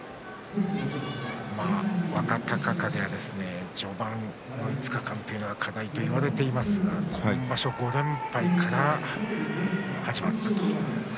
若隆景は、序盤５日間は課題といわれていますが今場所５連敗から始まったと。